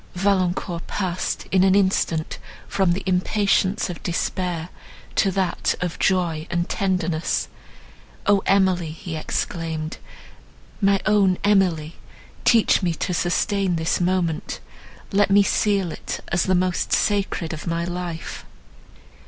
Valancourt passed, in an instant, from the impatience of despair, to that of joy and tenderness. "O Emily!" he exclaimed, "my own Emily—teach me to sustain this moment! Let me seal it as the most sacred of my life!"